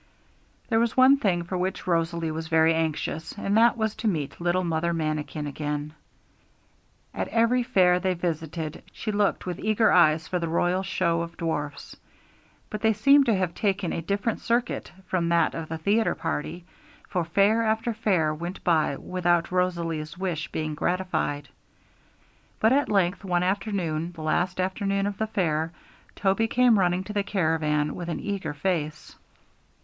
There was one thing for which Rosalie was very anxious, and that was to meet little Mother Manikin again. At every fair they visited she looked with eager eyes for the 'Royal Show of Dwarfs'; but they seemed to have taken a different circuit from that of the theatre party, for fair after fair went by without Rosalie's wish being gratified. But at length one afternoon, the last afternoon of the fair, Toby came running to the caravan with an eager face.